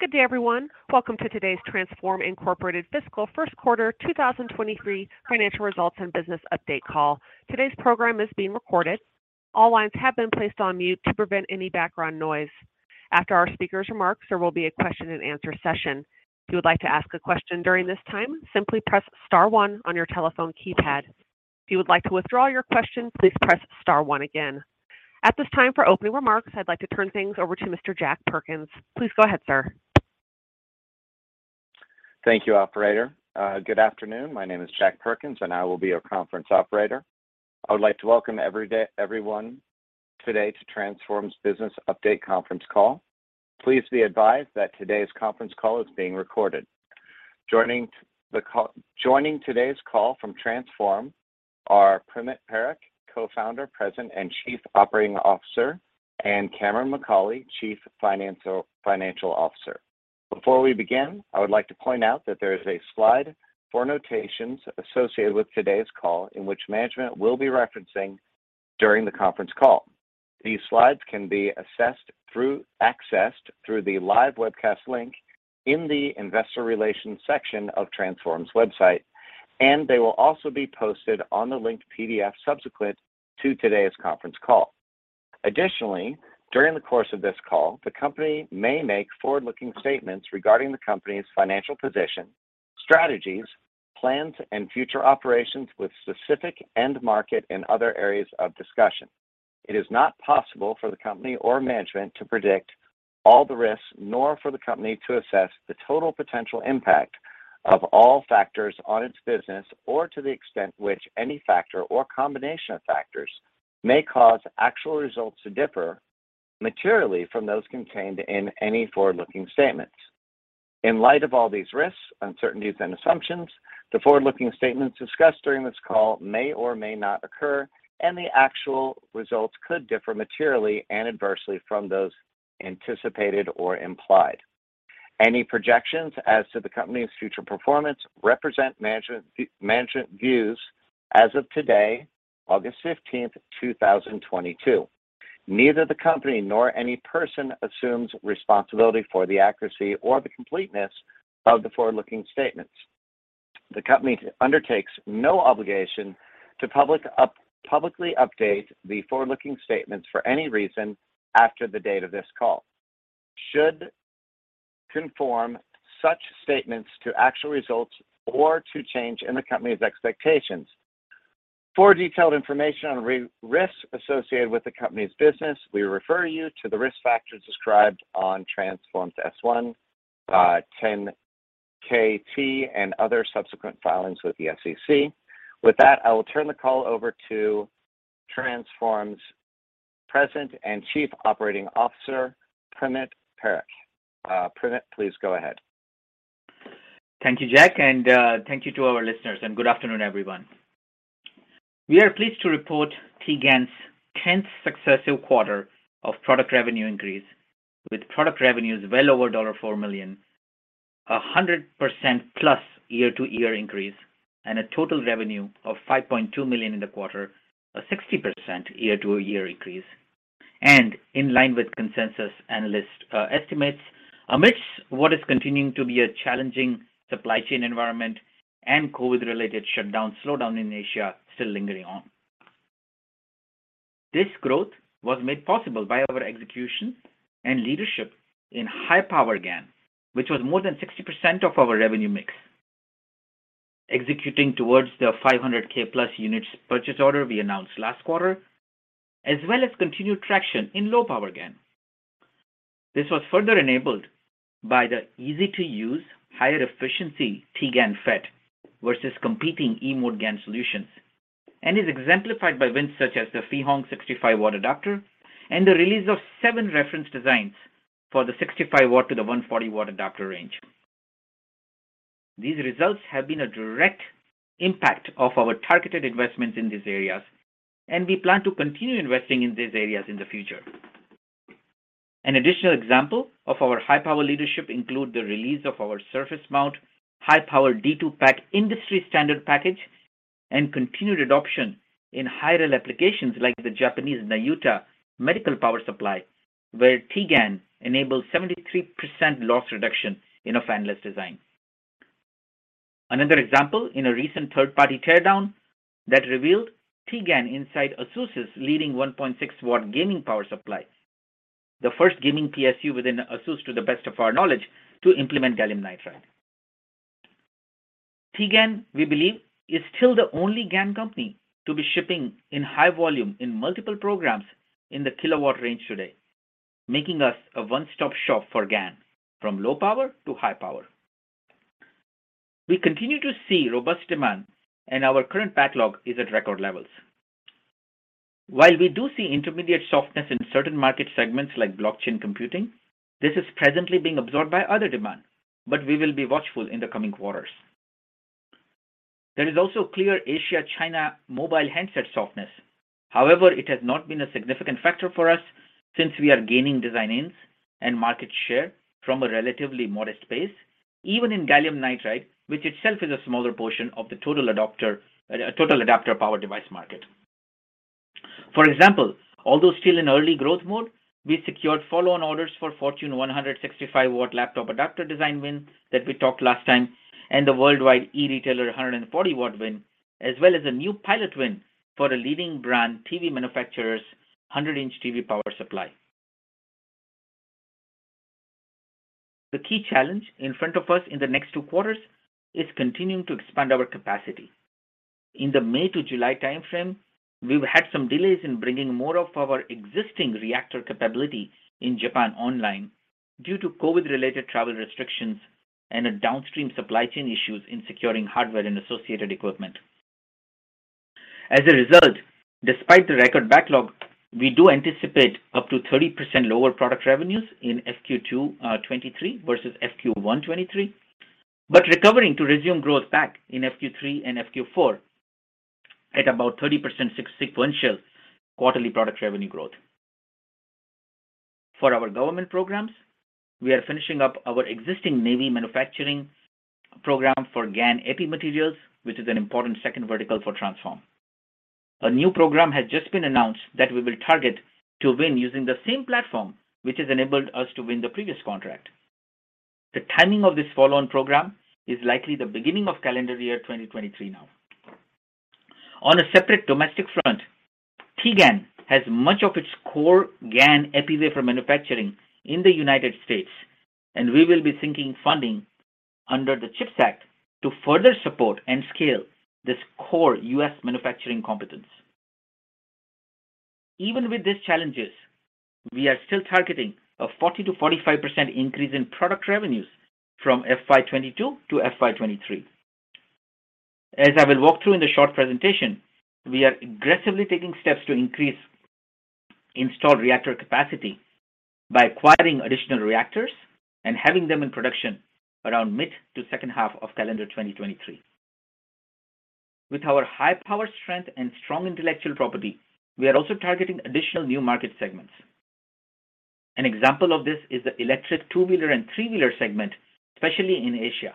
Good day, everyone. Welcome to today's Transphorm, Inc. Fiscal First Quarter 2023 Financial Results and Business Update Call. Today's program is being recorded. All lines have been placed on mute to prevent any background noise. After our speakers' remarks, there will be a question and answer session. If you would like to ask a question during this time, simply press star one on your telephone keypad. If you would like to withdraw your question, please press star one again. At this time for opening remarks, I'd like to turn things over to Mr. Jack Perkins. Please go ahead, sir. Thank you, operator. Good afternoon. My name is Jack Perkins, and I will be your conference operator. I would like to welcome everyone today to Transphorm's Business Update Conference Call. Please be advised that today's conference call is being recorded. Joining today's call from Transphorm are Primit Parikh, Co-founder, President, and Chief Operating Officer, and Cameron McAulay, Chief Financial Officer. Before we begin, I would like to point out that there is a slide for notations associated with today's call in which management will be referencing during the conference call. These slides can be accessed through the live webcast link in the investor relations section of Transphorm's website, and they will also be posted on the linked PDF subsequent to today's conference call. Additionally, during the course of this call, the company may make forward-looking statements regarding the company's financial position, strategies, plans, and future operations with specific end market and other areas of discussion. It is not possible for the company or management to predict all the risks, nor for the company to assess the total potential impact of all factors on its business or to the extent which any factor or combination of factors may cause actual results to differ materially from those contained in any forward-looking statements. In light of all these risks, uncertainties, and assumptions, the forward-looking statements discussed during this call may or may not occur, and the actual results could differ materially and adversely from those anticipated or implied. Any projections as to the company's future performance represent management's views as of today, August fifteenth, 2022. Neither the company nor any person assumes responsibility for the accuracy or the completeness of the forward-looking statements. The company undertakes no obligation to publicly update the forward-looking statements for any reason after the date of this call or to conform such statements to actual results or to changes in the company's expectations. For detailed information on risks associated with the company's business, we refer you to the risk factors described in Transphorm's S-1, 10-K, and other subsequent filings with the SEC. With that, I will turn the call over to Transphorm's President and Chief Operating Officer, Primit Parikh. Primit, please go ahead. Thank you, Jack, and thank you to our listeners, and good afternoon, everyone. We are pleased to report TGAN's tenth successive quarter of product revenue increase, with product revenues well over $4 million, 100%+ year-to-year increase and a total revenue of $5.2 million in the quarter, 60% year-to-year increase, and in line with consensus analyst estimates amidst what is continuing to be a challenging supply chain environment and COVID-related shutdown, slowdown in Asia still lingering on. This growth was made possible by our execution and leadership in high-power GaN, which was more than 60% of our revenue mix, executing towards the 500,000+ units purchase order we announced last quarter, as well as continued traction in low-power GaN. This was further enabled by the easy-to-use, higher efficiency TGAN FET versus competing e-mode GaN solutions and is exemplified by wins such as the Phihong 65-watt adapter and the release of seven reference designs for the 65-watt to the 140-watt adapter range. These results have been a direct impact of our targeted investments in these areas, and we plan to continue investing in these areas in the future. An additional example of our high-power leadership include the release of our surface mount high-power D2PAK industry standard package and continued adoption in high-rel applications like the Japanese Nayuta medical power supply, where TGAN enables 73% loss reduction in a fanless design. Another example in a recent third-party teardown that revealed TGAN inside ASUS's leading 1.6-kW gaming power supply, the first gaming PSU within ASUS to the best of our knowledge to implement gallium nitride. TGAN, we believe, is still the only GaN company to be shipping in high volume in multiple programs in the kilowatt range today, making us a one-stop shop for GaN from low power to high power. We continue to see robust demand, and our current backlog is at record levels. While we do see intermediate softness in certain market segments like blockchain computing, this is presently being absorbed by other demand, but we will be watchful in the coming quarters. There is also clear Asian China mobile handset softness. However, it has not been a significant factor for us since we are gaining design-ins and market share from a relatively modest base, even in gallium nitride, which itself is a smaller portion of the total adapter power device market. For example, although still in early growth mode, we secured follow-on orders for Fortune 100 65-watt laptop adapter design win that we talked last time and the worldwide e-retailer 140-watt win, as well as a new pilot win for a leading brand TV manufacturer's 100-inch TV power supply. The key challenge in front of us in the next two quarters is continuing to expand our capacity. In the May to July timeframe, we've had some delays in bringing more of our existing reactor capability in Japan online due to COVID-related travel restrictions and a downstream supply chain issues in securing hardware and associated equipment. As a result, despite the record backlog, we do anticipate up to 30% lower product revenues in SQ2 2023 versus SQ1 2023, but recovering to resume growth back in SQ3 and SQ4 at about 30% sequential quarterly product revenue growth. For our government programs, we are finishing up our existing Navy manufacturing program for GaN epi materials, which is an important second vertical for Transphorm. A new program has just been announced that we will target to win using the same platform which has enabled us to win the previous contract. The timing of this follow-on program is likely the beginning of calendar year 2023 now. On a separate domestic front, TGAN has much of its core GaN epi wafer manufacturing in the United States, and we will be seeking funding under the CHIPS Act to further support and scale this core U.S. manufacturing competence. Even with these challenges, we are still targeting a 40%-45% increase in product revenues from FY 2022 to FY 2023. As I will walk through in the short presentation, we are aggressively taking steps to increase installed reactor capacity by acquiring additional reactors and having them in production around mid- to second half of calendar 2023. With our high power strength and strong intellectual property, we are also targeting additional new market segments. An example of this is the electric two-wheeler and three-wheeler segment, especially in Asia.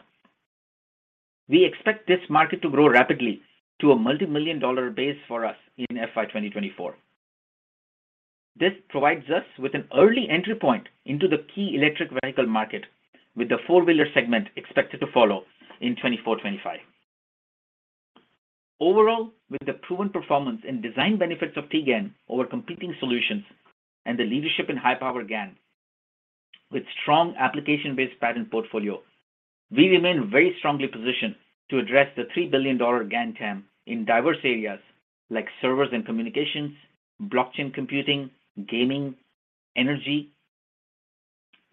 We expect this market to grow rapidly to a multimillion-dollar base for us in FY 2024. This provides us with an early entry point into the key electric vehicle market, with the four-wheeler segment expected to follow in 2024, 2025. Overall, with the proven performance and design benefits of TGAN over competing solutions and the leadership in high-power GaN with strong application-based patent portfolio, we remain very strongly positioned to address the $3 billion GaN TAM in diverse areas like servers and communications, blockchain computing, gaming, energy,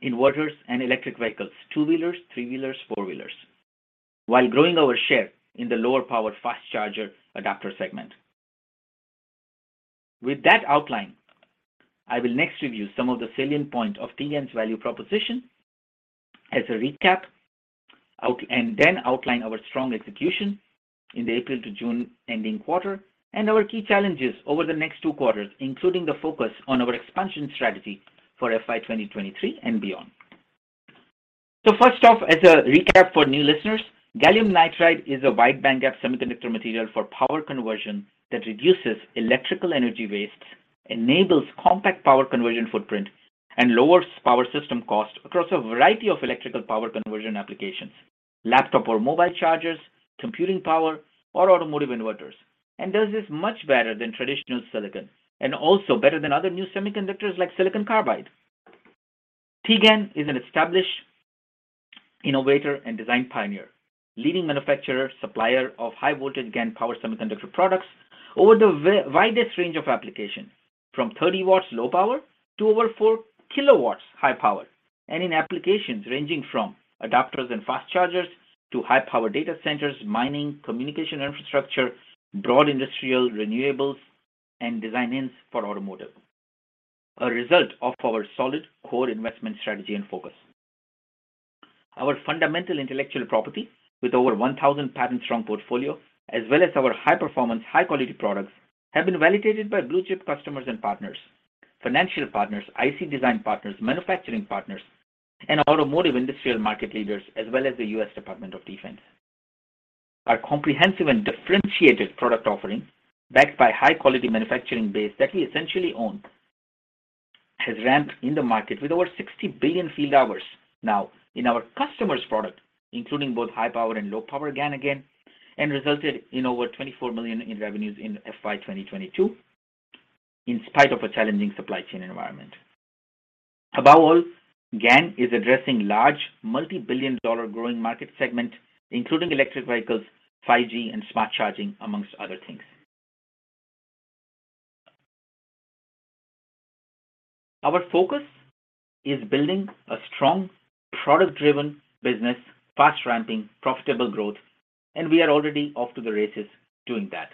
inverters, and electric vehicles, two-wheelers, three-wheelers, four-wheelers, while growing our share in the lower powered fast charger adapter segment. With that outline, I will next review some of the salient points of TGAN's value proposition as a recap and then outline our strong execution in the April to June ending quarter and our key challenges over the next two quarters, including the focus on our expansion strategy for FY 2023 and beyond. First off, as a recap for new listeners, gallium nitride is a wide bandgap semiconductor material for power conversion that reduces electrical energy waste, enables compact power conversion footprint, and lowers power system cost across a variety of electrical power conversion applications, laptop or mobile chargers, computing power or automotive inverters, and does this much better than traditional silicon and also better than other new semiconductors like silicon carbide. TGAN is an established innovator and design pioneer, leading manufacturer, supplier of high voltage GaN power semiconductor products over the widest range of applications, from 30 W low power to over 4 kW high power, and in applications ranging from adapters and fast chargers to high-power data centers, mining, communication infrastructure, broad industrial renewables, and design-ins for automotive, a result of our solid core investment strategy and focus. Our fundamental intellectual property with over 1,000 patent-strong portfolio as well as our high-performance, high-quality products have been validated by blue-chip customers and partners, financial partners, IC design partners, manufacturing partners, and automotive and industrial market leaders, as well as the U.S. Department of Defense. Our comprehensive and differentiated product offering, backed by high-quality manufacturing base that we essentially own, has ramped in the market with over 60 billion field hours now in our customer's product, including both high power and low power GaN, and resulted in over $24 million in revenues in FY 2022 in spite of a challenging supply chain environment. Above all, GaN is addressing large, multi-billion-dollar growing market segment, including electric vehicles, 5G, and smart charging, among other things. Our focus is building a strong product-driven business, fast-ramping profitable growth, and we are already off to the races doing that.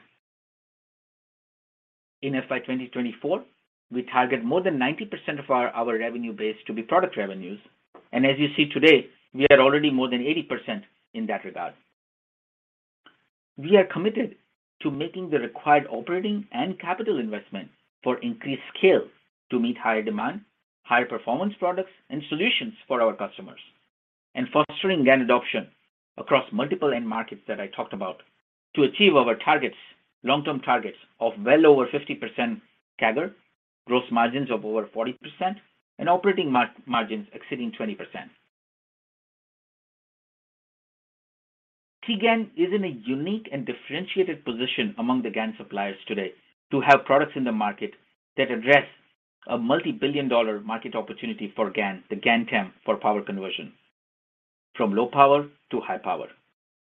In FY 2024, we target more than 90% of our revenue base to be product revenues, and as you see today, we are already more than 80% in that regard. We are committed to making the required operating and capital investment for increased scale to meet higher demand, higher performance products and solutions for our customers. Fostering GaN adoption across multiple end markets that I talked about to achieve our targets, long-term targets of well over 50% CAGR, gross margins of over 40%, and operating margins exceeding 20%. TGAN is in a unique and differentiated position among the GaN suppliers today to have products in the market that address a multi-billion dollar market opportunity for GaN, the GaN TAM for power conversion from low power to high power.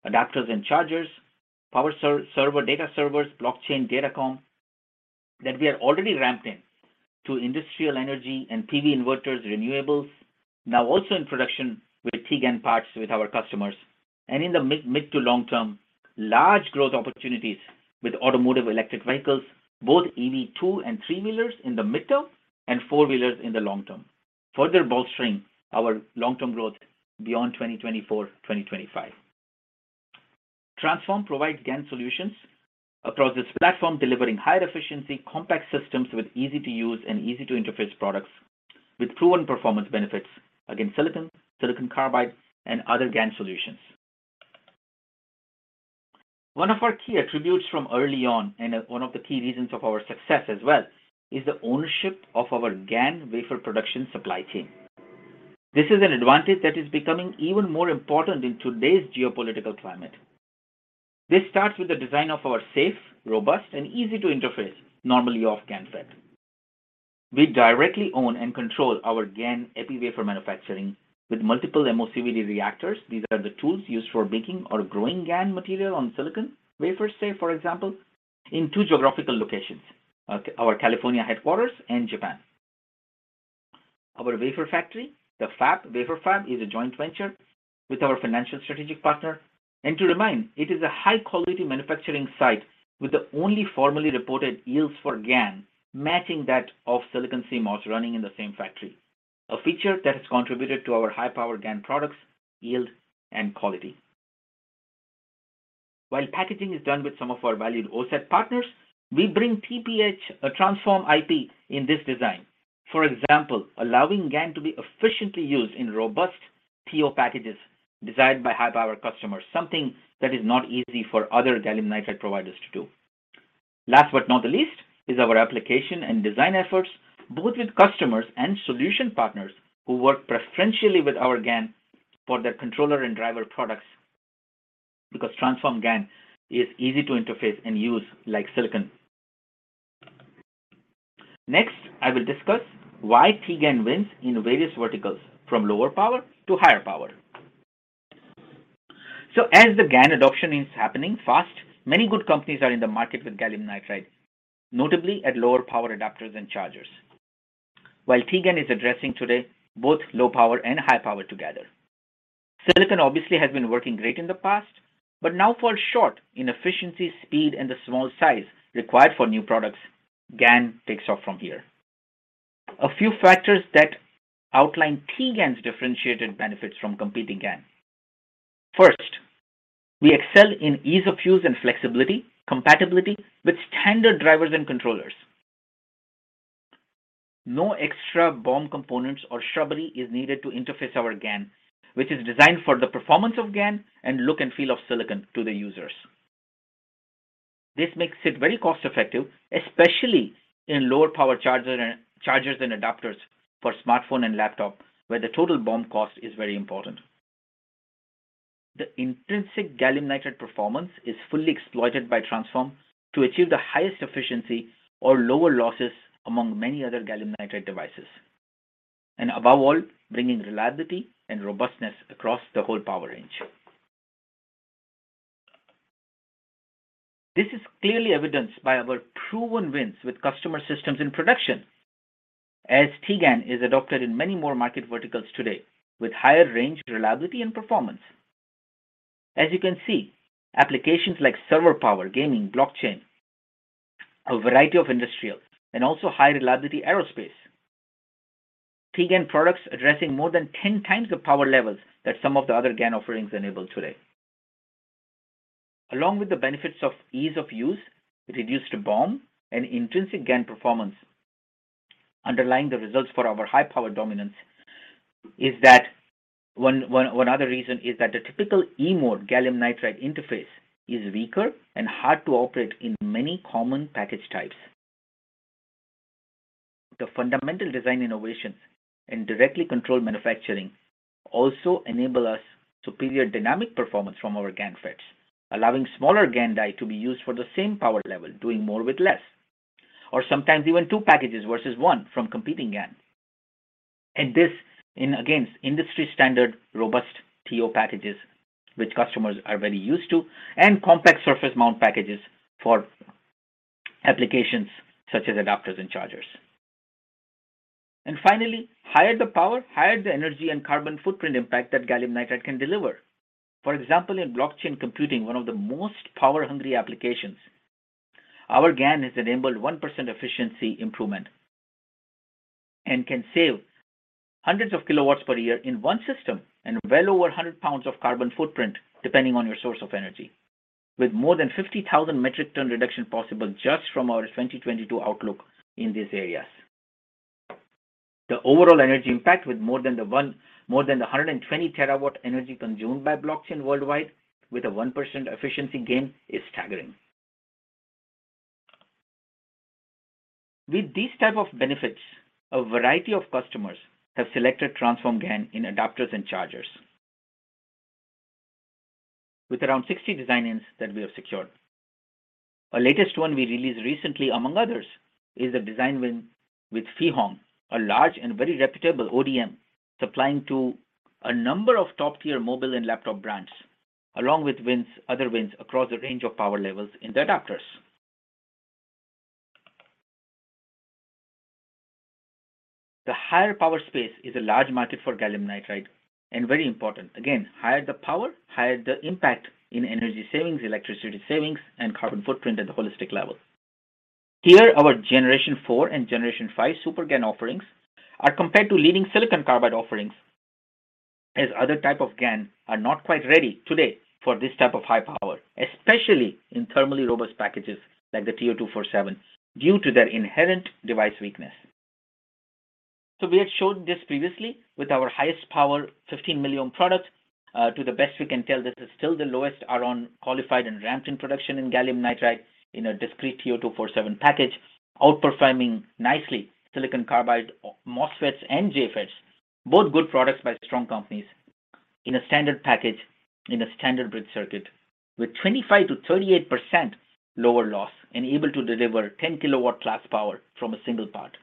Adapters and chargers, power servers, data servers, blockchain, datacom that we are already ramped in to industrial energy and PV inverters, renewables, now also in production with T-GaN parts with our customers, and in the mid to long term, large growth opportunities with automotive electric vehicles, both EV two and three-wheelers in the midterm and four-wheelers in the long term, further bolstering our long-term growth beyond 2024, 2025. Transphorm provides GaN solutions across this platform, delivering higher efficiency, compact systems with easy-to-use and easy-to-interface products with proven performance benefits against silicon carbide, and other GaN solutions. One of our key attributes from early on, and one of the key reasons of our success as well, is the ownership of our GaN wafer production supply chain. This is an advantage that is becoming even more important in today's geopolitical climate. This starts with the design of our safe, robust, and easy-to-interface, normally off GaN FET. We directly own and control our GaN epi wafer manufacturing with multiple MOCVD reactors. These are the tools used for baking or growing GaN material on silicon wafers, say, for example, in two geographical locations, at our California headquarters and Japan. Our wafer factory, the fab, wafer fab, is a joint venture with our financial strategic partner. To remind, it is a high-quality manufacturing site with the only formally reported yields for GaN matching that of silicon CMOS running in the same factory, a feature that has contributed to our high-power GaN products' yield and quality. While packaging is done with some of our valued OSAT partners, we bring TPH, a Transphorm IP in this design. For example, allowing GaN to be efficiently used in robust TO packages desired by high-power customers, something that is not easy for other gallium nitride providers to do. Last but not the least is our application and design efforts, both with customers and solution partners who work preferentially with our GaN for their controller and driver products because Transphorm GaN is easy to interface and use like silicon. Next, I will discuss why T-GaN wins in various verticals from lower power to higher power. As the GaN adoption is happening fast, many good companies are in the market with gallium nitride, notably at lower power adapters and chargers. While T-GaN is addressing today both low power and high power together. Silicon obviously has been working great in the past, but now falls short in efficiency, speed, and the small size required for new products. GaN takes off from here. A few factors that outline T-GaN's differentiated benefits from competing GaN. First, we excel in ease of use and flexibility, compatibility with standard drivers and controllers. No extra BOM components or snubber is needed to interface our GaN, which is designed for the performance of GaN and look and feel of silicon to the users. This makes it very cost-effective, especially in lower power chargers and adapters for smartphone and laptop, where the total BOM cost is very important. The intrinsic gallium nitride performance is fully exploited by Transphorm to achieve the highest efficiency or lower losses among many other gallium nitride devices, and above all, bringing reliability and robustness across the whole power range. This is clearly evidenced by our proven wins with customer systems in production as T-GaN is adopted in many more market verticals today with higher range reliability and performance. As you can see, applications like server power, gaming, blockchain, a variety of industrials, and also high-reliability aerospace, T-GaN products addressing more than 10 times the power levels that some of the other GaN offerings enable today. Along with the benefits of ease of use, reduced BOM, and intrinsic GaN performance, underlying the results for our high-power dominance is that one other reason is that the typical e-mode gallium nitride interface is weaker and hard to operate in many common package types. The fundamental design innovations and directly controlled manufacturing also enable us superior dynamic performance from our GaN FETs, allowing smaller GaN die to be used for the same power level, doing more with less, or sometimes even two packages versus one from competing GaN. This in, again, industry standard, robust TO packages, which customers are very used to, and complex surface mount packages for applications such as adapters and chargers. Finally, higher the power, higher the energy and carbon footprint impact that gallium nitride can deliver. For example, in blockchain computing, one of the most power-hungry applications, our GaN has enabled 1% efficiency improvement and can save hundreds of kilowatts per year in one system and well over 100 pounds of carbon footprint, depending on your source of energy, with more than 50,000 metric ton reduction possible just from our 2022 outlook in these areas. The overall energy impact with more than 120 terawatt energy consumed by blockchain worldwide with a 1% efficiency gain is staggering. With these types of benefits, a variety of customers have selected Transphorm GaN in adapters and chargers, with around 60 design wins that we have secured. Our latest one we released recently, among others, is a design win with Phihong, a large and very reputable ODM supplying to a number of top-tier mobile and laptop brands, along with other wins across a range of power levels in the adapters. The higher power space is a large market fo gallium nitride and very important. Again, the higher the power, the higher the impact in e nergy savings, electricity savings, and carbon footprint at the holistic level. Here, our Generation four and Generation five SuperGaN offerings are compared to leading silicon carbide offerings, as other types of GaN are not quite ready today for this type of high power, especially in thermally robust packages like the TO-247 due to their inherent device weakness. We had shown this previously with our highest power 15 milliohm product. To the best we can tell, this is still the lowest ROn qualified and ramped in production in gallium nitride in a discrete TO-247 package, outperforming nicely silicon carbide MOSFETs and JFETs, both good products by strong companies, in a standard package in a standard bridge circuit with 25%-38% lower loss and able to deliver 10 kW class power from a single part.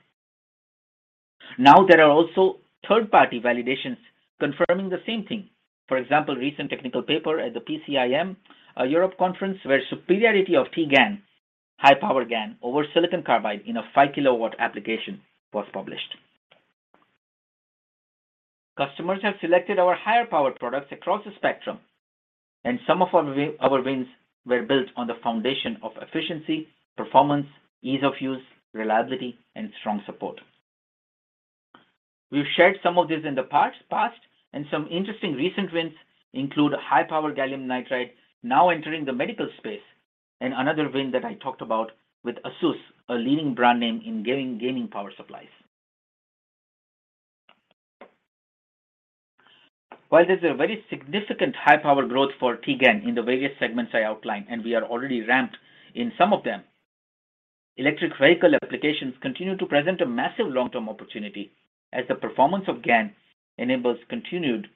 Now, there are also third-party validations confirming the same thing. For example, recent technical paper at the PCIM Europe conference, where superiority of T-GaN, high power GaN, over silicon carbide in a 5 kW application was published. Customers have selected our higher power products across the spectrum, and some of our wins were built on the foundation of efficiency, performance, ease of use, reliability, and strong support. We've shared some of this in the past, and some interesting recent wins include high power gallium nitride now entering the medical space, and another win that I talked about with ASUS, a leading brand name in gaming power supplies. While there's a very significant high power growth for T-GaN in the various segments I outlined, and we are already ramped in some of them, electric vehicle applications continue to present a massive long-term opportunity as the performance of GaN enables continued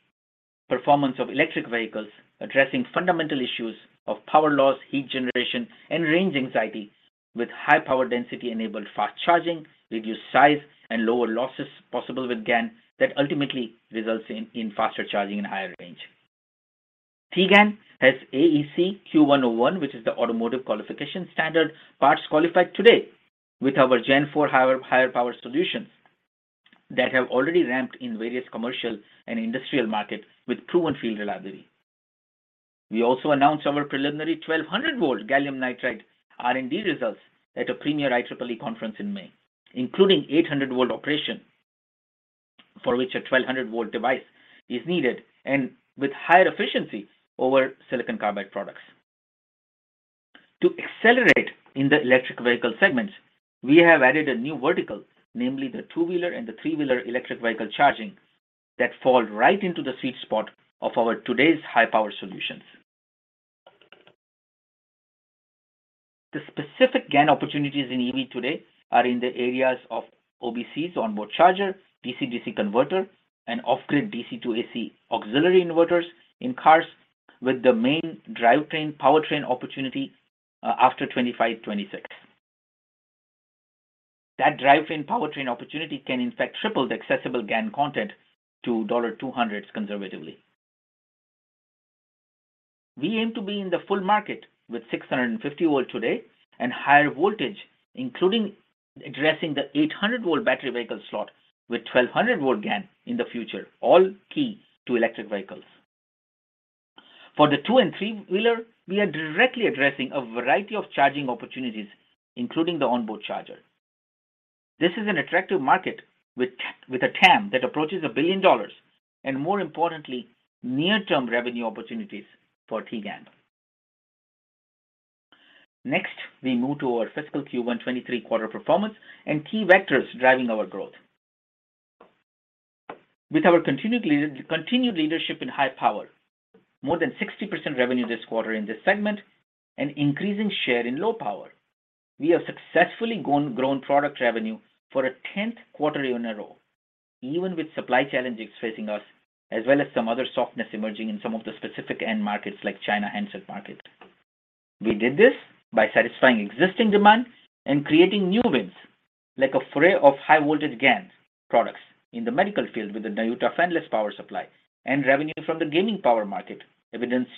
performance of electric vehicles, addressing fundamental issues of power loss, heat generation, and range anxiety with high power density-enabled fast charging, reduced size, and lower losses possible with GaN that ultimately results in faster charging and higher range. GaN has AEC-Q101, which is the automotive qualification standard. Parts qualified today with our Gen IV higher power solutions that have already ramped in various commercial and industrial markets with proven field reliability. We also announced our preliminary 1200-volt gallium nitride R&D results at a premier IEEE conference in May, including 800-volt operation, for which a 1200-volt device is needed and with higher efficiency over silicon carbide products. To accelerate in the electric vehicle segments, we have added a new vertical, namely the two-wheeler and the three-wheeler electric vehicle charging that fall right into the sweet spot of our today's high-power solutions. The specific GaN opportunities in EV today are in the areas of OBC, so onboard charger, DC-DC converter, and off-grid DC to AC auxiliary inverters in cars with the main drivetrain powertrain opportunity after 2025, 2026. That drivetrain powertrain opportunity can in fact triple the accessible GaN content to $200 conservatively. We aim to be in the full market with 650-volt today and higher voltage, including addressing the 800-volt battery vehicle slot with 1,200-volt GaN in the future, all key to electric vehicles. For the two- and three-wheeler, we are directly addressing a variety of charging opportunities, including the onboard charger. This is an attractive market with a TAM that approaches $1 billion, and more importantly, near-term revenue opportunities for T-GaN. Next, we move to our fiscal Q1 2023 quarter performance and key vectors driving our growth. With our continued leadership in high power, more than 60% revenue this quarter in this segment and increasing share in low power, we have successfully grown product revenue for a 10th quarter in a row, even with supply challenges facing us, as well as some other softness emerging in some of the specific end markets like China handset market. We did this by satisfying existing demand and creating new wins, like an array of high voltage GaN products in the medical field with the Nayuta fanless power supply and revenue from the gaming power market, evidenced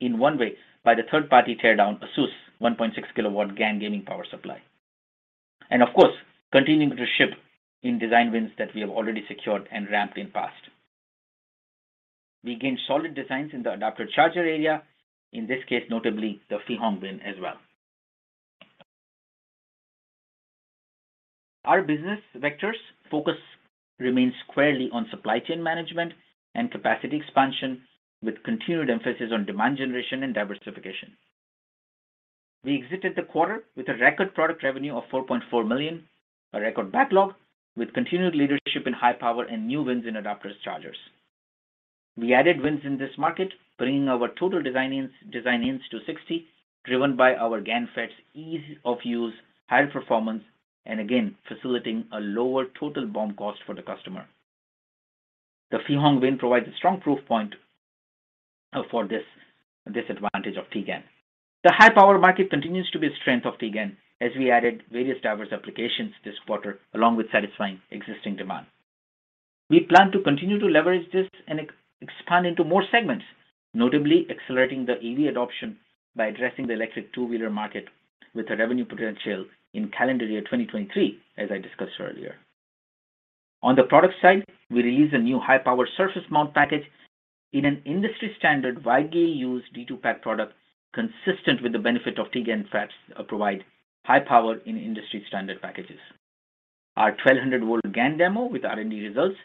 in one way by the third-party teardown ASUS 1.6-kW GaN gaming power supply. Of course, continuing to ship in design wins that we have already secured and ramped in past. We gained solid designs in the adapter charger area, in this case, notably the Phihong win as well. Our business vectors focus remains squarely on supply chain management and capacity expansion, with continued emphasis on demand generation and diversification. We exited the quarter with a record product revenue of $4.4 million, a record backlog with continued leadership in high power and new wins in adapter chargers. We added wins in this market, bringing our total design ins to 60, driven by our GaN FETs ease of use, high performance, and again, facilitating a lower total BOM cost for the customer. The Phihong win provides a strong proof point for this advantage of TGAN. The high power market continues to be a strength of TGAN as we added various diverse applications this quarter, along with satisfying existing demand. We plan to continue to leverage this and expand into more segments, notably accelerating the EV adoption by addressing the electric two-wheeler market with a revenue potential in calendar year 2023, as I discussed earlier. On the product side, we released a new high-power surface mount package in an industry standard widely used D2PAK product consistent with the benefit of TPH GaN FETs provide high power in industry standard packages. Our 1200-volt GaN demo with R&D results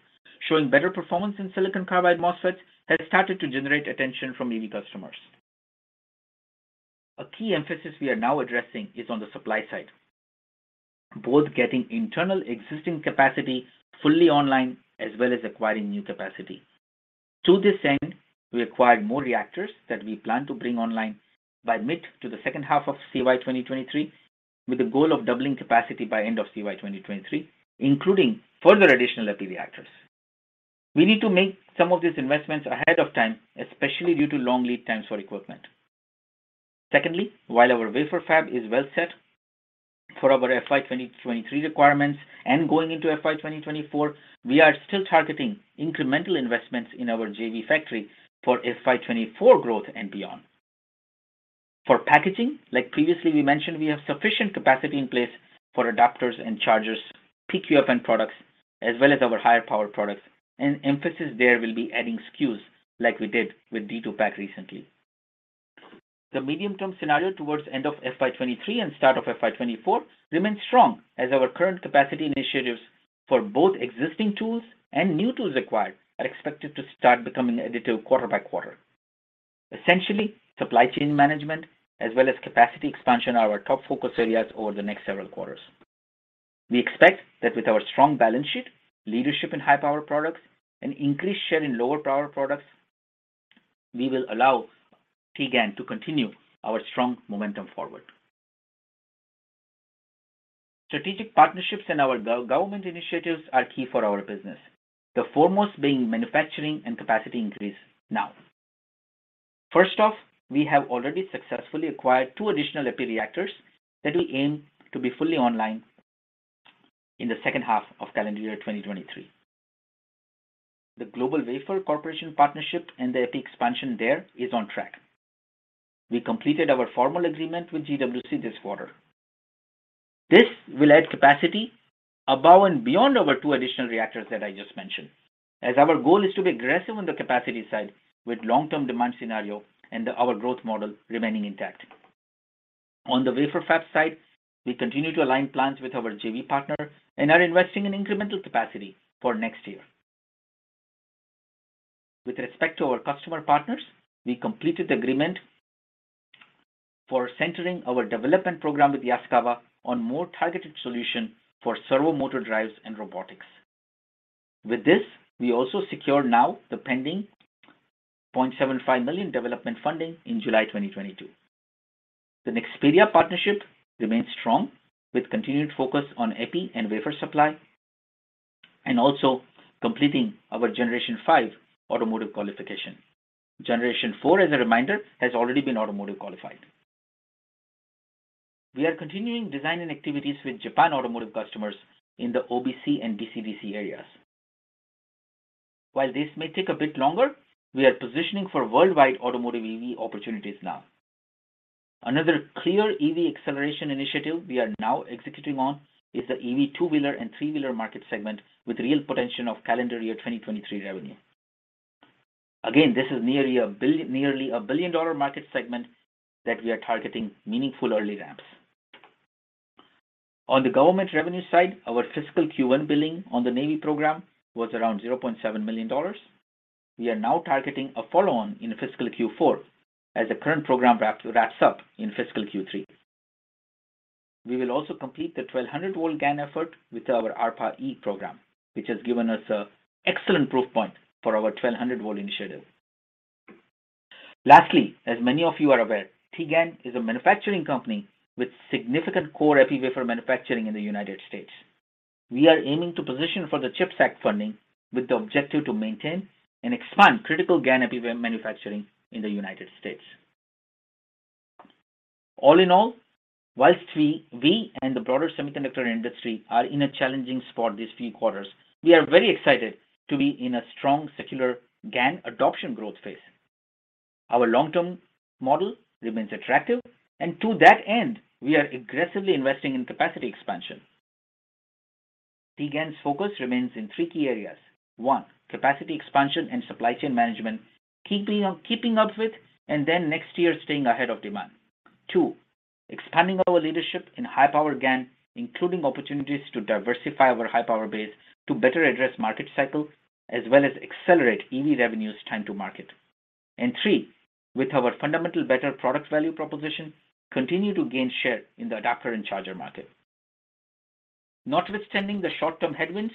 showing better performance in silicon carbide MOSFETs has started to generate attention from EV customers. A key emphasis we are now addressing is on the supply side, both getting internal existing capacity fully online as well as acquiring new capacity. To this end, we acquired more reactors that we plan to bring online by mid- to the second half of CY 2023, with the goal of doubling capacity by end of CY 2023, including further additional epi reactors. We need to make some of these investments ahead of time, especially due to long lead times for equipment. Secondly, while our wafer fab is well set for our FY 2023 requirements and going into FY 2024, we are still targeting incremental investments in our JV factory for FY 2024 growth and beyond. For packaging, like previously we mentioned, we have sufficient capacity in place for adapters and chargers, PQFN products, as well as our higher power products, and emphasis there will be adding SKUs like we did with D2PAK recently. The medium-term scenario towards end of FY 2023 and start of FY 2024 remains strong as our current capacity initiatives for both existing tools and new tools acquired are expected to start becoming additive quarter by quarter. Essentially, supply chain management as well as capacity expansion are our top focus areas over the next several quarters. We expect that with our strong balance sheet, leadership in high power products, and increased share in lower power products, we will allow TGAN to continue our strong momentum forward. Strategic partnerships and our government initiatives are key for our business, the foremost being manufacturing and capacity increase now. First off, we have already successfully acquired two additional epi reactors that we aim to be fully online in the second half of calendar year 2023. The GlobalWafers partnership and the epi expansion there is on track. We completed our formal agreement with GWC this quarter. This will add capacity above and beyond our two additional reactors that I just mentioned, as our goal is to be aggressive on the capacity side with long-term demand scenario and our growth model remaining intact. On the wafer fab side, we continue to align plans with our JV partner and are investing in incremental capacity for next year. With respect to our customer partners, we completed the agreement for centering our development program with Yaskawa on more targeted solution for servo motor drives and robotics. With this, we also secure now the pending $0.75 million development funding in July 2022. The Nexperia partnership remains strong with continued focus on epi and wafer supply, and also completing our generation five automotive qualification. Generation four, as a reminder, has already been automotive qualified. We are continuing design-in activities with Japanese automotive customers in the OBC and DC-DC areas. While this may take a bit longer, we are positioning for worldwide automotive EV opportunities now. Another clear EV acceleration initiative we are now executing on is the EV two-wheeler and three-wheeler market segment with real potential of 2023 revenue. Again, this is nearly a billion-dollar market segment that we are targeting meaningful early ramps. On the government revenue side, our fiscal Q1 billing on the Navy program was around $0.7 million. We are now targeting a follow-on in fiscal Q4 as the current program wraps up in fiscal Q3. We will also complete the 1200-volt GaN effort with our ARPA-E program, which has given us an excellent proof point for our 1200-volt initiative. Lastly, as many of you are aware, TGAN is a manufacturing company with significant core epi wafer manufacturing in the United States. We are aiming to position for the CHIPS Act funding with the objective to maintain and expand critical GaN epi wafer manufacturing in the United States. All in all, while we and the broader semiconductor industry are in a challenging spot these few quarters, we are very excited to be in a strong secular GaN adoption growth phase. Our long-term model remains attractive, and to that end, we are aggressively investing in capacity expansion. TGAN's focus remains in three key areas. One, capacity expansion and supply chain management, keeping up with, and then next year staying ahead of demand. Two, expanding our leadership in high power GaN, including opportunities to diversify our high power base to better address market cycles. As well as accelerate EV revenues time to market. Three, with our fundamental better product value proposition, continue to gain share in the adapter and charger market. Notwithstanding the short-term headwinds,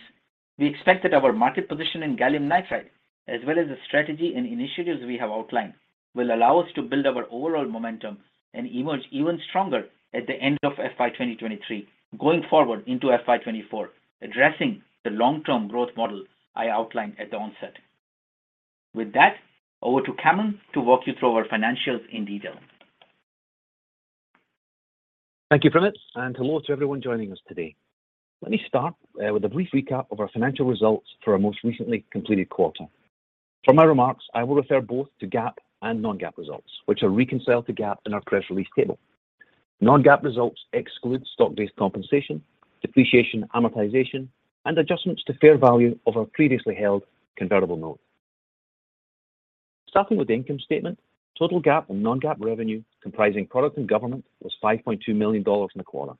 we expect that our market position in gallium nitride, as well as the strategy and initiatives we have outlined, will allow us to build our overall momentum and emerge even stronger at the end of FY 2023 going forward into FY 2024, addressing the long-term growth model I outlined at the onset. With that, over to Cameron to walk you through our financials in detail. Thank you, Primit, and hello to everyone joining us today. Let me start with a brief recap of our financial results for our most recently completed quarter. For my remarks, I will refer both to GAAP and non-GAAP results, which are reconciled to GAAP in our press release table. Non-GAAP results exclude stock-based compensation, depreciation and amortization, and adjustments to fair value of our previously held convertible note. Starting with the income statement, total GAAP and non-GAAP revenue comprising product and government was $5.2 million in the quarter.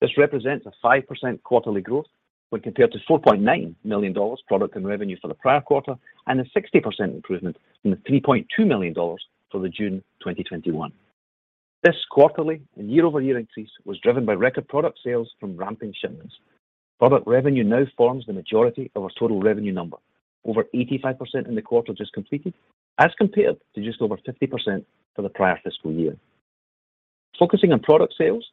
This represents a 5% quarterly growth when compared to $4.9 million product revenue for the prior quarter and a 60% improvement from the $3.2 million for June 2021. This quarterly and year-over-year increase was driven by record product sales from ramping shipments. Product revenue now forms the majority of our total revenue number, over 85% in the quarter just completed, as compared to just over 50% for the prior fiscal year. Focusing on product sales,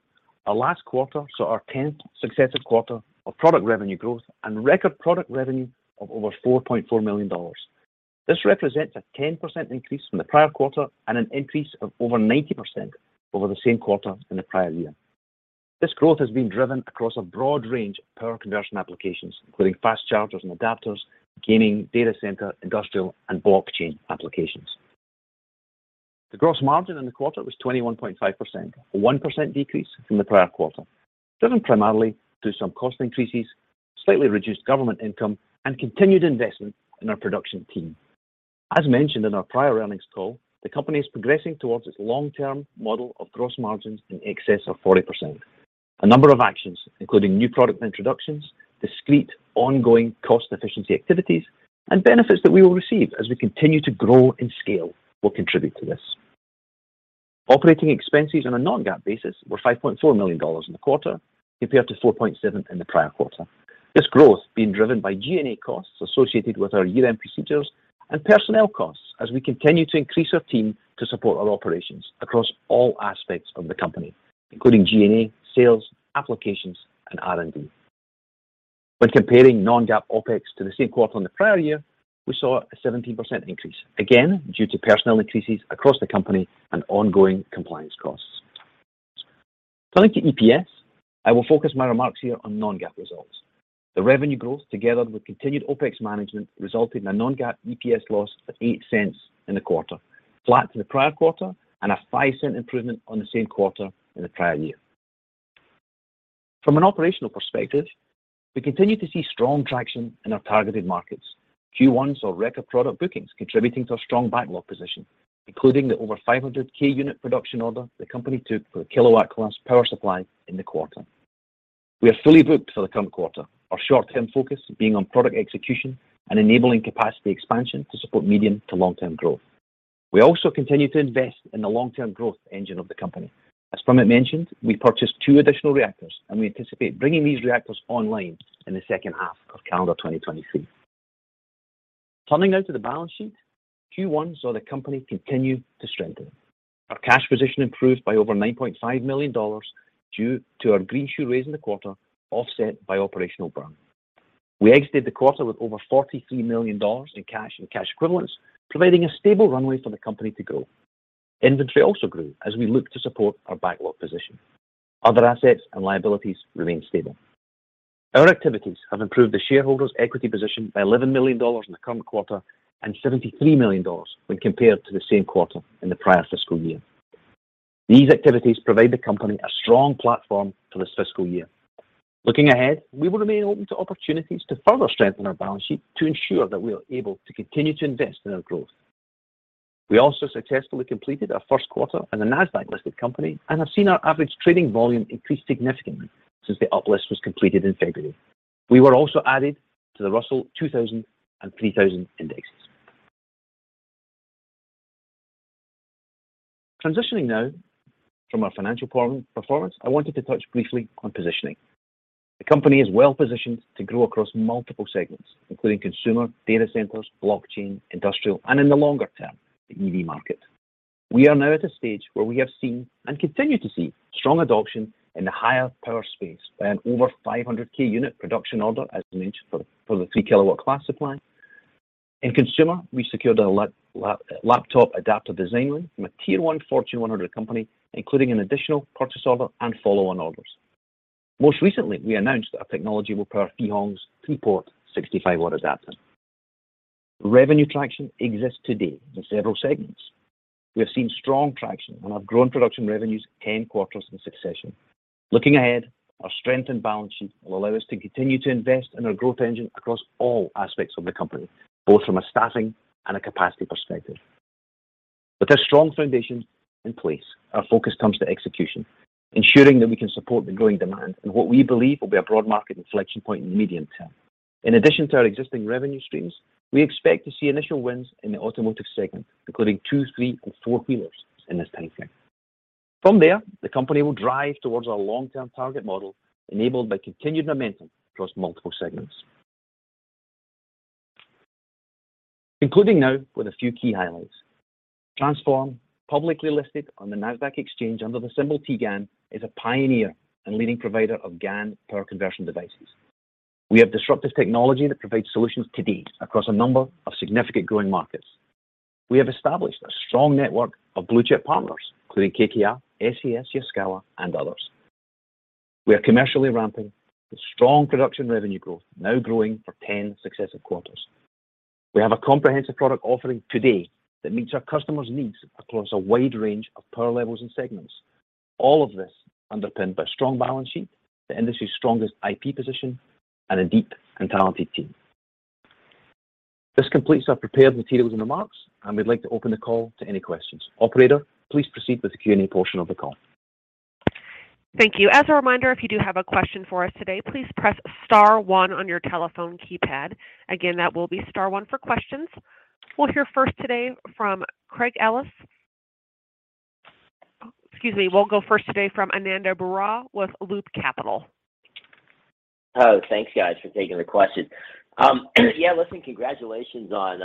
our last quarter saw our tenth successive quarter of product revenue growth and record product revenue of over $4.4 million. This represents a 10% increase from the prior quarter and an increase of over 90% over the same quarter in the prior year. This growth has been driven across a broad range of power conversion applications, including fast chargers and adapters, gaming, data center, industrial, and blockchain applications. The gross margin in the quarter was 21.5%, a 1% decrease from the prior quarter, driven primarily through some cost increases, slightly reduced government income, and continued investment in our production team. As mentioned in our prior earnings call, the company is progressing towards its long-term model of gross margins in excess of 40%. A number of actions, including new product introductions, discrete ongoing cost efficiency activities, and benefits that we will receive as we continue to grow in scale will contribute to this. Operating expenses on a non-GAAP basis were $5.4 million in the quarter, compared to $4.7 million in the prior quarter. This growth being driven by G&A costs associated with our year-end procedures and personnel costs as we continue to increase our team to support our operations across all aspects of the company, including G&A, sales, applications, and R&D. When comparing non-GAAP OpEx to the same quarter in the prior year, we saw a 17% increase, again due to personnel increases across the company and ongoing compliance costs. Turning to EPS, I will focus my remarks here on non-GAAP results. The revenue growth, together with continued OpEx management, resulted in a non-GAAP EPS loss of $0.08 in the quarter, flat to the prior quarter, and a $0.05 improvement on the same quarter in the prior year. From an operational perspective, we continue to see strong traction in our targeted markets. Q1 saw record product bookings contributing to a strong backlog position, including the over 500K unit production order the company took for the kilowatt class power supply in the quarter. We are fully booked for the current quarter, our short-term focus being on product execution and enabling capacity expansion to support medium- to long-term growth. We also continue to invest in the long-term growth engine of the company. As Primit mentioned, we purchased two additional reactors, and we anticipate bringing these reactors online in the second half of calendar 2023. Turning now to the balance sheet, Q1 saw the company continue to strengthen. Our cash position improved by over $9.5 million due to our greenshoe raise in the quarter, offset by operational burn. We exited the quarter with over $43 million in cash and cash equivalents, providing a stable runway for the company to grow. Inventory also grew as we look to support our backlog position. Other assets and liabilities remain stable. Our activities have improved the shareholders' equity position by $11 million in the current quarter and $73 million when compared to the same quarter in the prior fiscal year. These activities provide the company a strong platform for this fiscal year. Looking ahead, we will remain open to opportunities to further strengthen our balance sheet to ensure that we are able to continue to invest in our growth. We also successfully completed our first quarter as a Nasdaq-listed company and have seen our average trading volume increase significantly since the uplist was completed in February. We were also added to the Russell 2000 and 3000 indexes. Transitioning now from our financial performance, I wanted to touch briefly on positioning. The company is well-positioned to grow across multiple segments, including consumer, data centers, blockchain, industrial, and in the longer term, the EV market. We are now at a stage where we have seen and continue to see strong adoption in the higher power space by an over 500K-unit production order, as mentioned, for the 3-kW class supply. In consumer, we secured a laptop adapter design win from a tier one Fortune 100 company, including an additional purchase order and follow-on orders. Most recently, we announced our technology will power Phihong's three-port 65-watt adapter. Revenue traction exists today in several segments. We have seen strong traction and have grown production revenues 10 quarters in succession. Looking ahead, our strengthened balance sheet will allow us to continue to invest in our growth engine across all aspects of the company, both from a staffing and a capacity perspective. With a strong foundation in place, our focus comes to execution, ensuring that we can support the growing demand and what we believe will be a broad market inflection point in the medium term. In addition to our existing revenue streams, we expect to see initial wins in the automotive segment, including two, three, and four-wheelers in this time frame. From there, the company will drive towards our long-term target model enabled by continued momentum across multiple segments. Concluding now with a few key highlights. Transphorm, publicly listed on the Nasdaq Exchange under the symbol TGAN, is a pioneer and leading provider of GaN power conversion devices. We have disruptive technology that provides solutions today across a number of significant growing markets. We have established a strong network of blue-chip partners, including KKR, SES, Yaskawa, and others. We are commercially ramping with strong production revenue growth, now growing for 10 successive quarters. We have a comprehensive product offering today that meets our customers' needs across a wide range of power levels and segments. All of this underpinned by a strong balance sheet, the industry's strongest IP position, and a deep and talented team. This completes our prepared materials and remarks, and we'd like to open the call to any questions. Operator, please proceed with the Q&A portion of the call. Thank you. As a reminder, if you do have a question for us today, please press star one on your telephone keypad. Again, that will be star one for questions. We'll go first today from Ananda Baruah with Loop Capital. Oh, thanks guys for taking the question. Yeah, listen, congratulations on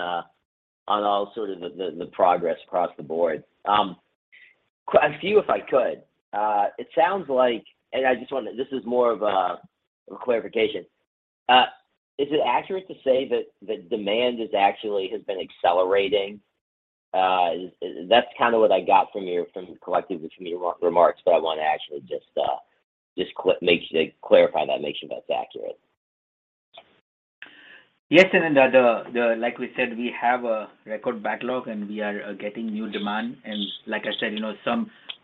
all sort of the progress across the board. A few if I could. It sounds like and I just wonder, this is more of a clarification. Is it accurate to say that the demand is actually has been accelerating? That's kind of what I got from your remarks collectively, but I want to actually just make sure, clarify that, make sure that's accurate. Yes, Ananda. Like we said, we have a record backlog, and we are getting new demand. Like I said, you know,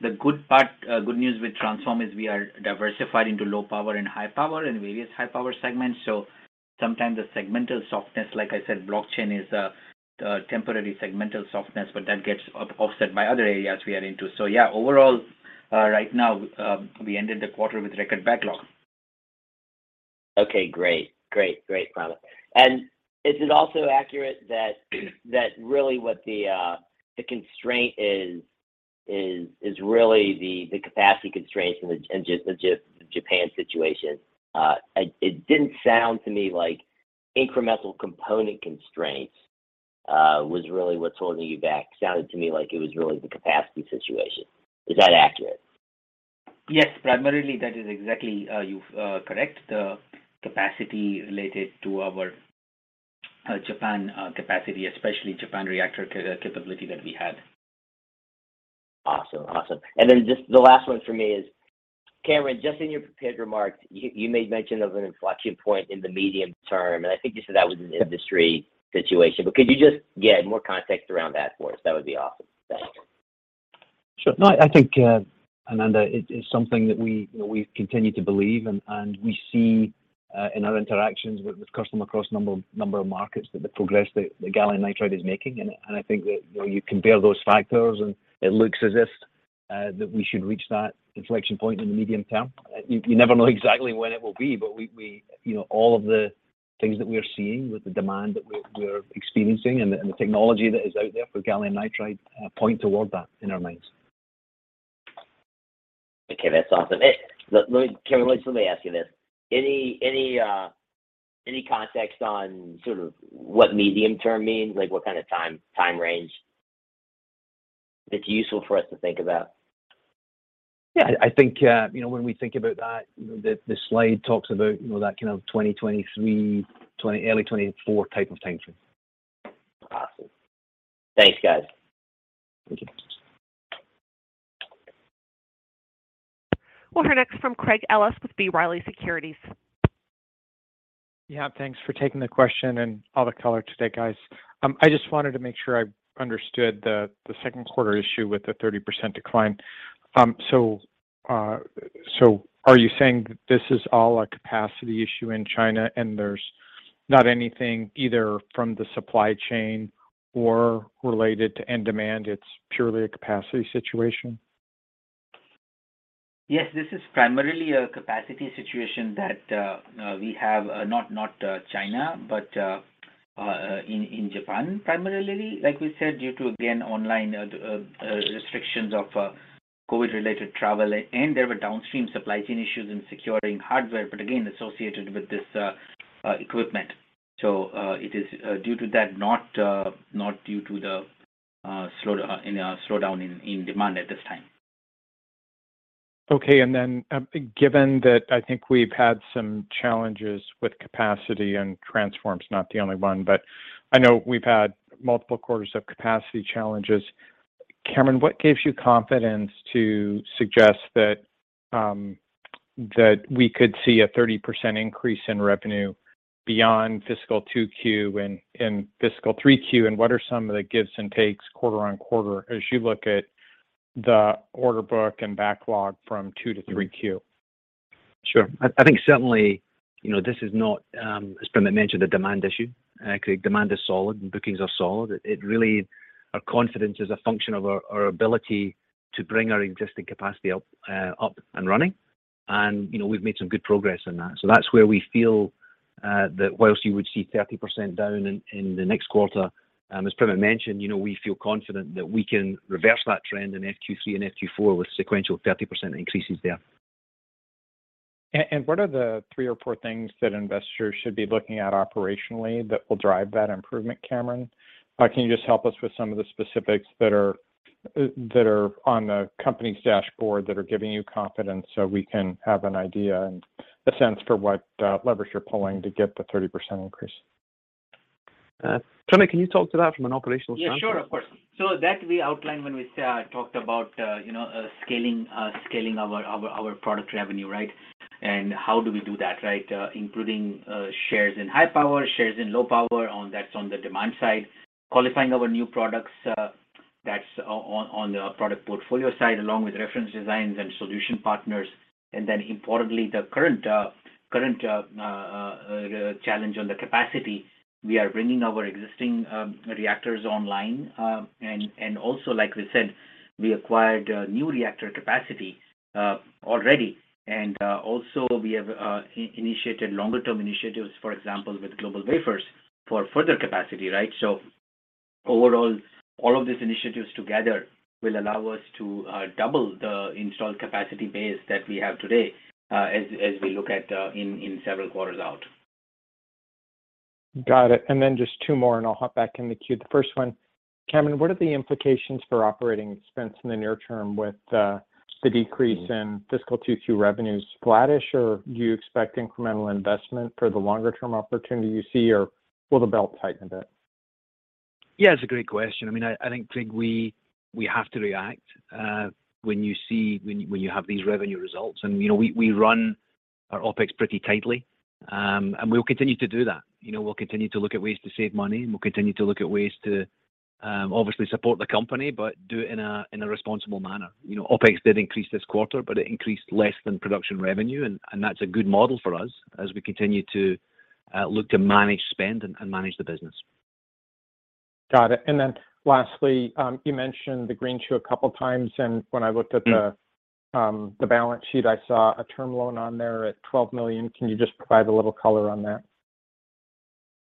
the good part, good news with Transphorm is we are diversified into low power and high power and various high power segments. Sometimes the segmental softness, like I said, blockchain is temporary segmental softness, but that gets offset by other areas we are into. Yeah, overall, right now, we ended the quarter with record backlog. Okay, great. Got it. Is it also accurate that really what the constraint is is really the capacity constraints and just the Japan situation? It didn't sound to me like incremental component constraints was really what's holding you back. Sounded to me like it was really the capacity situation. Is that accurate? Yes. Primarily, that is exactly correct. The capacity related to our Japan capacity, especially Japan reactor capability that we had. Awesome. Then just the last one for me is, Cameron, just in your prepared remarks, you made mention of an inflection point in the medium term, and I think you said that was an industry situation. Could you just, yeah, add more context around that for us? That would be awesome. Thanks. Sure. No, I think, Ananda, it is something that we, you know, we've continued to believe and we see in our interactions with customers across a number of markets that the progress that Gallium Nitride is making. I think that, you know, you compare those factors, and it looks as if that we should reach that inflection point in the medium term. You never know exactly when it will be, but we, you know, all of the things that we are seeing with the demand that we're experiencing and the technology that is out there for Gallium Nitride point toward that in our minds. Okay, that's awesome. Let me, Cameron, let me ask you this. Any context on sort of what medium term means? Like, what kind of time range that's useful for us to think about? Yeah, I think, you know, when we think about that, the slide talks about, you know, that kind of 2023, early 2024 type of timeframe. Awesome. Thanks, guys. Thank you. We'll hear next from Craig Ellis with B. Riley Securities. Yeah, thanks for taking the question and all the color today, guys. I just wanted to make sure I understood the second quarter issue with the 30% decline. Are you saying this is all a capacity issue in China, and there's not anything either from the supply chain or related to end demand, it's purely a capacity situation? Yes, this is primarily a capacity situation that we have, not China, but in Japan primarily, like we said, due to, again, ongoing restrictions of COVID-related travel, and there were downstream supply chain issues in securing hardware, but again, associated with this equipment. It is due to that, not due to any slowdown in demand at this time. Okay. Given that I think we've had some challenges with capacity, and Transphorm's not the only one, but I know we've had multiple quarters of capacity challenges. Cameron, what gives you confidence to suggest that we could see a 30% increase in revenue beyond fiscal 2Q and fiscal 3Q? What are some of the gives and takes quarter on quarter as you look at the order book and backlog from 2Q to 3Q? Sure. I think certainly, you know, this is not, as Primit mentioned, a demand issue. Demand is solid and bookings are solid. It really. Our confidence is a function of our ability to bring our existing capacity up and running. You know, we've made some good progress in that. That's where we feel, that whilst you would see 30% down in the next quarter, as Primit mentioned, you know, we feel confident that we can reverse that trend in FQ3 and FQ4 with sequential 30% increases there. What are the three or four things that investors should be looking at operationally that will drive that improvement, Cameron? Can you just help us with some of the specifics that are on the company's dashboard that are giving you confidence so we can have an idea and a sense for what levers you're pulling to get the 30% increase? Primit, can you talk to that from an operational standpoint? Yeah, sure. Of course. That we outlined when we talked about, you know, scaling our product revenue, right? How do we do that, right? Including shares in high power, shares in low power. That's on the demand side. Qualifying our new products, that's on the product portfolio side, along with reference designs and solution partners. Then importantly, the current challenge on the capacity, we are bringing our existing reactors online. Also, like we said, we acquired new reactor capacity already. Also, we have initiated longer term initiatives, for example, with GlobalWafers for further capacity, right? Overall, all of these initiatives together will allow us to double the installed capacity base that we have today, as we look at in several quarters out. Got it. Just two more, and I'll hop back in the queue. The first one, Cameron, what are the implications for operating expense in the near term with the decrease in fiscal 2Q revenues? Flattish, or do you expect incremental investment for the longer term opportunity you see? Or will the belt tighten a bit? Yeah, it's a great question. I mean, I think, Craig, we have to react when you have these revenue results. You know, we run our OpEx pretty tightly. We'll continue to do that. You know, we'll continue to look at ways to save money, and we'll continue to look at ways to obviously support the company, but do it in a responsible manner. You know, OpEx did increase this quarter, but it increased less than production revenue, and that's a good model for us as we continue to look to manage spend and manage the business. Got it. Lastly, you mentioned the green shoe a couple times, and when I looked at the- Mm. The balance sheet, I saw a term loan on there at $12 million. Can you just provide a little color on that?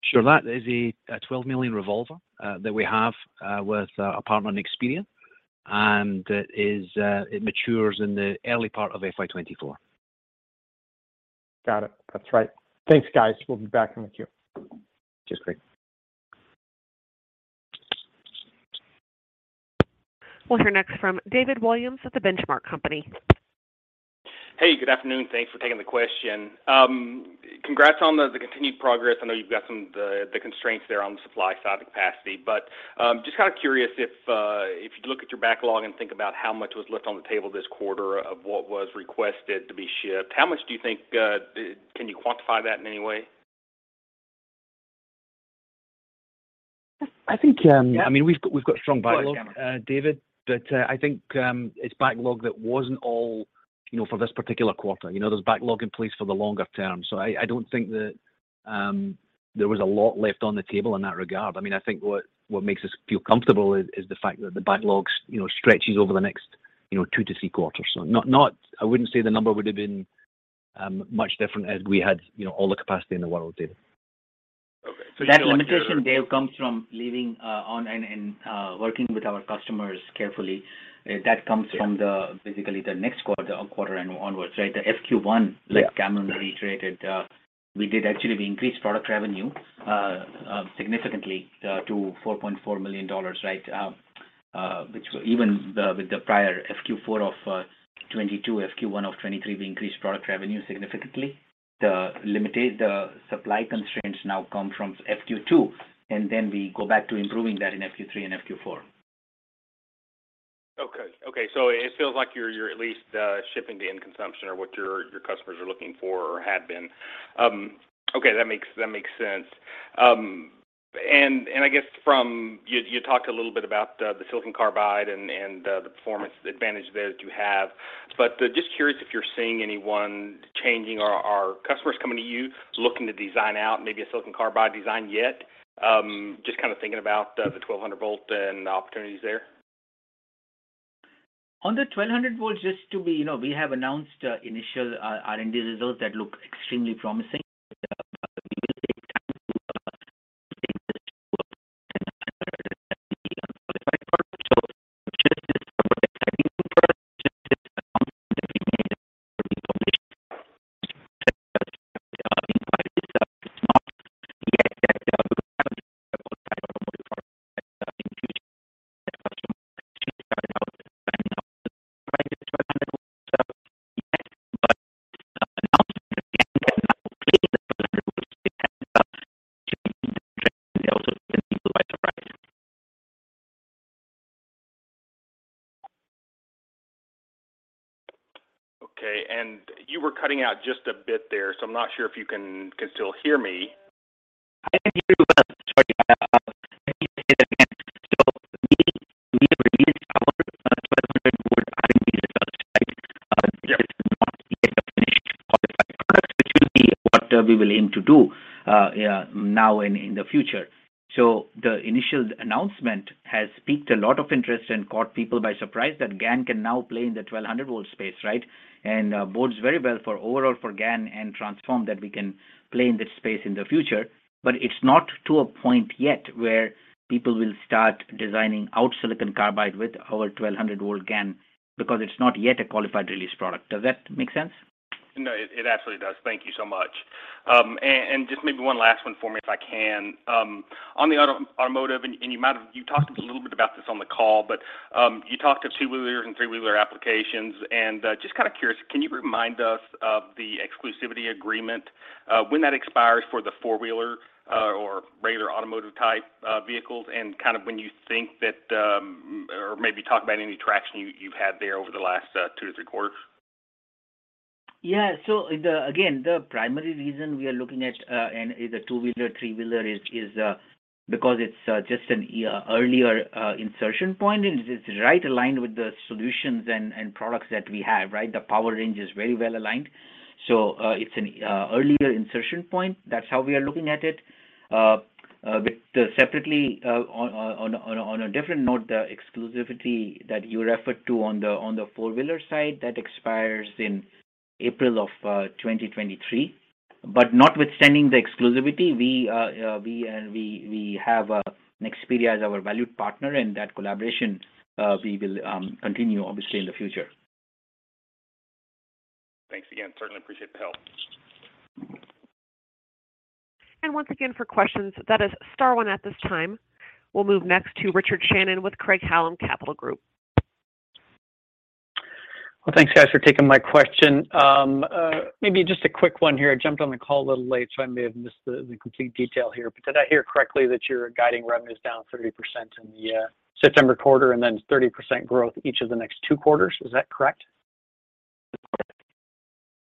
Sure. That is a $12 million revolver that we have with Apartment Expedient, and it matures in the early part of FY 2024. Got it. That's right. Thanks, guys. We'll be back in the queue. Cheers, Craig. We'll hear next from David Williams at The Benchmark Company. Hey, good afternoon. Thanks for taking the question. Congrats on the continued progress. I know you've got some of the constraints there on the supply side of the capacity. Just kind of curious if you look at your backlog and think about how much was left on the table this quarter of what was requested to be shipped, how much do you think can you quantify that in any way? I think, I mean, we've got strong backlog. Go ahead, Cameron. I think it's backlog that wasn't all, you know, for this particular quarter. You know, there's backlog in place for the longer term. I don't think that there was a lot left on the table in that regard. I mean, I think what makes us feel comfortable is the fact that the backlogs, you know, stretches over the next, you know, 2-3 quarters. I wouldn't say the number would've been much different as we had, you know, all the capacity in the world, David. Okay. Do you know where- That limitation, Dave, comes from leaning on and working with our customers carefully. That comes from the- Yeah. Basically the next quarter or quarter and onwards, right? Yeah. Like Cameron reiterated, we increased product revenue significantly to $4.4 million, right? Which, with the prior FQ4 of 2022, FQ1 of 2023, we increased product revenue significantly. The limited supply constraints now come from FQ2, and then we go back to improving that in FQ3 and FQ4. It feels like you're at least shipping to end consumption or what your customers are looking for or had been. Okay, that makes sense. I guess you talked a little bit about the silicon carbide and the performance advantage there that you have. Just curious if you're seeing anyone changing or are customers coming to you looking to design out maybe a silicon carbide design yet? Just kind of thinking about the 1,200-volt and the opportunities there. On the 1200 volts, just to be, you know, we have announced initial R&D results that look extremely promising. We will take time to take this to a qualified product. Just this product exciting for us. Just announcing that we made a good indication. It's not yet that we have a full automotive product in Q2. That customer actually started out planning on the varieties for 100 volts yet. Announcement, again, we have not completed the 100 volts yet. Changing the direction also with the new leadership arriving. Okay. You were cutting out just a bit there, so I'm not sure if you can still hear me. I hear you, but we have released our 1200-volt R&D results, right? This is not yet a finished qualified product, which will be what we will aim to do now and in the future. The initial announcement has piqued a lot of interest and caught people by surprise that GaN can now play in the 1200-volt space, right? It bodes very well for overall GaN and Transphorm that we can play in this space in the future. It's not to a point yet where people will start designing out silicon carbide with our 1200-volt GaN because it's not yet a qualified release product. Does that make sense? No, it absolutely does. Thank you so much. Just maybe one last one for me, if I can. On the automotive. You talked a little bit about this on the call, but you talked of two-wheelers and three-wheeler applications. Just kind of curious, can you remind us of the exclusivity agreement, when that expires for the four-wheeler, or regular automotive type, vehicles? Kind of when you think that, or maybe talk about any traction you've had there over the last 2-3 quarters. Again, the primary reason we are looking at a two-wheeler, three-wheeler is because it's just an earlier insertion point. It is right aligned with the solutions and products that we have, right? The power range is very well aligned. It's an earlier insertion point. That's how we are looking at it. Separately, on a different note, the exclusivity that you referred to on the four-wheeler side expires in April of 2023. Notwithstanding the exclusivity, we have Nexperia as our valued partner, and that collaboration we will continue obviously in the future. Thanks again. Certainly appreciate the help. Once again, for questions, that is star one at this time. We'll move next to Richard Shannon with Craig-Hallum Capital Group. Well, thanks guys, for taking my question. Maybe just a quick one here. I jumped on the call a little late, so I may have missed the complete detail here. Did I hear correctly that you're guiding revenues down 30% in the September quarter and then 30% growth each of the next two quarters? Is that correct?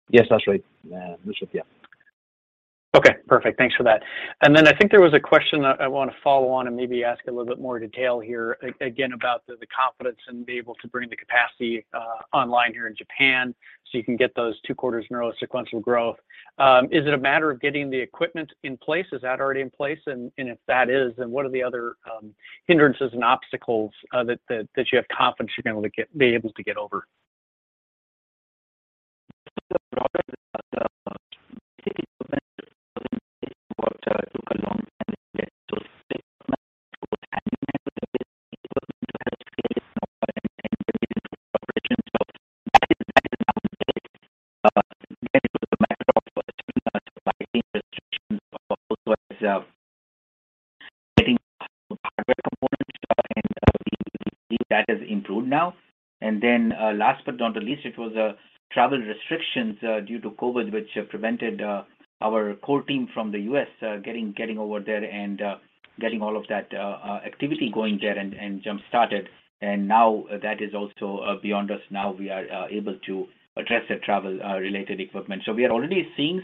Yes, that's right, Richard. Yeah. Okay, perfect. Thanks for that. I think there was a question I wanna follow on and maybe ask a little bit more detail here again about the confidence and be able to bring the capacity online here in Japan so you can get those two quarters in a row sequential growth. Is it a matter of getting the equipment in place? Is that already in place? And if that is, then what are the other hindrances and obstacles that you have confidence you're gonna be able to get over? The problem with the equipment wasn't what took a long time to get to steady state and have equipment to help scale and get into operations. That is nowadays related primarily to supply chain restrictions, also in getting hardware components. We believe that has improved now. Last but not least, it was travel restrictions due to COVID, which prevented our core team from the U.S. getting over there and getting all of that activity going there and jump-started. Now that is also behind us. Now we are able to address the travel-related equipment. We are already seeing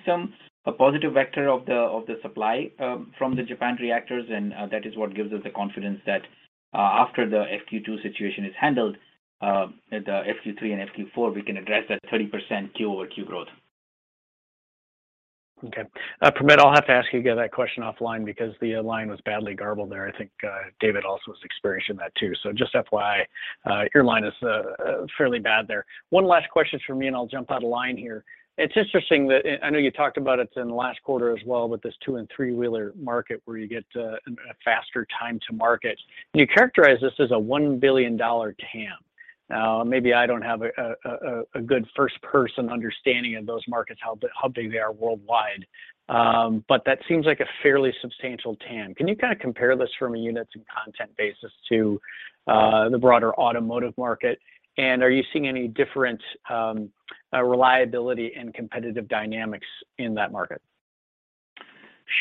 a positive vector of the supply from the Japanese reactors. That is what gives us the confidence that, after the FQ2 situation is handled, the FQ3 and FQ4, we can address that 30% quarter-over-quarter growth. Okay. Primit, I'll have to ask you again that question offline because the line was badly garbled there. I think, David also was experiencing that too. Just FYI, your line is fairly bad there. One last question from me, and I'll jump out of line here. It's interesting that, and I know you talked about it in the last quarter as well with this two- and three-wheeler market where you get a faster time to market, and you characterize this as a $1 billion TAM. Now, maybe I don't have a good first-person understanding of those markets, how big they are worldwide. That seems like a fairly substantial TAM. Can you kind of compare this from a units and content basis to the broader automotive market? Are you seeing any different reliability and competitive dynamics in that market?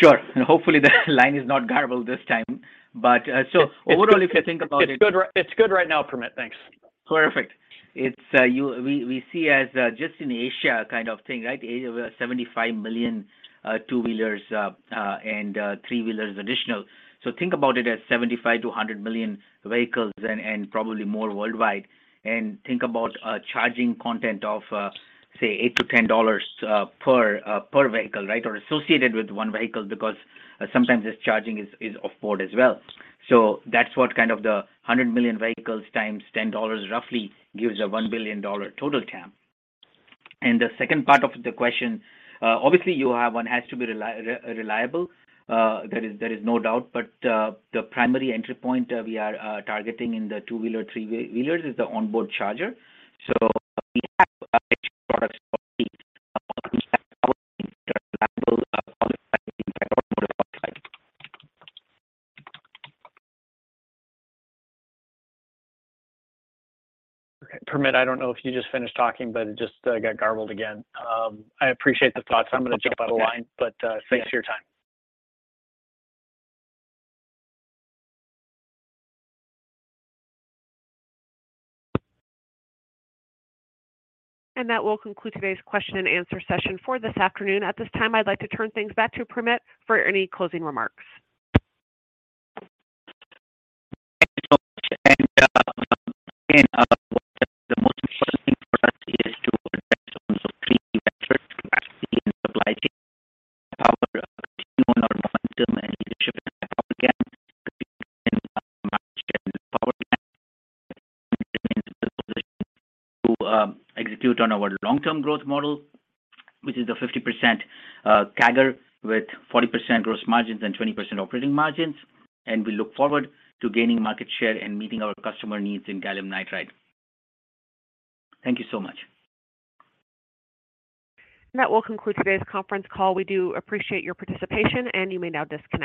Sure. Hopefully the line is not garbled this time. It's good- Overall, if you think about it. It's good right now, Primit. Thanks. Perfect. It's We see as just in Asia kind of thing, right? Asia, we are 75 million two-wheelers and three-wheelers additional. Think about it as 75-100 million vehicles and probably more worldwide. Think about a charging content of say $8-$10 per vehicle, right? Or associated with one vehicle because sometimes this charging is offboard as well. That's what kind of the 100 million vehicles times $10 roughly gives a $1 billion total TAM. The second part of the question, obviously one has to be reliable. There is no doubt, but the primary entry point we are targeting in the two-wheeler, three-wheelers is the onboard charger. We have products which are reliable, qualified for automotive outside. Okay. Primit, I don't know if you just finished talking, but it just got garbled again. I appreciate the thoughts. I'm gonna jump out of line. Okay. Thanks for your time. That will conclude today's question and answer session for this afternoon. At this time, I'd like to turn things back to Primit for any closing remarks. Thank you so much. Again, the most important thing for us is to address in terms of three vectors, capacity and supply chain, power, continue on our momentum and leadership in power GaN market and power management to execute on our long-term growth model, which is the 50% CAGR with 40% gross margins and 20% operating margins. We look forward to gaining market share and meeting our customer needs in gallium nitride. Thank you so much. That will conclude today's conference call. We do appreciate your participation, and you may now disconnect.